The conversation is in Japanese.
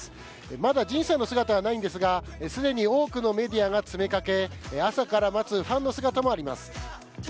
まだＪＩＮさんの姿はないんですが、すでに多くのメディアが詰めかけ、朝から待つファンの姿もあります。